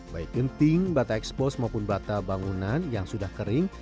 baik genting bata ekspos maupun bata bangunan yang sudah kering